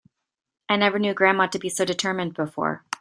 I never knew grandma to be so determined before.